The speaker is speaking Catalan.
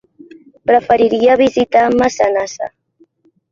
Preferiria visitar Massanassa.